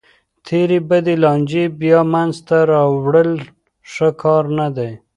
تېرې بدې لانجې بیا منځ ته راوړل ښه کار نه دی.